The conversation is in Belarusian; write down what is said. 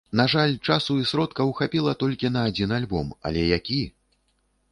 На жаль, часу і сродкаў хапіла толькі на адзін альбом, але які!